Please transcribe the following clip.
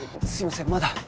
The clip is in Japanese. すいませんまだ。